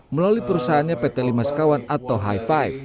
melalui perusahaannya pt limaskawan atau hi five